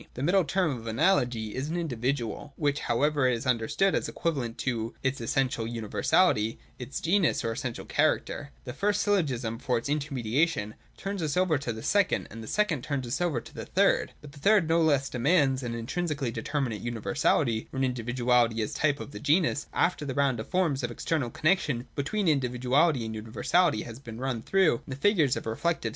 The middle term of Analogy is an individual, which however is understood as equivalent to its essential universality, its genus, or essential character. — The first syllogism for its intermediation turns us over to the second, and the second turns us over to the third. But the third no less demands an intrinsically determinate Universahty, or an individuality as type of the genus, after the round of the forms of external connexion between individuality and universality has been run through in the figures of the Reflective Syllogism.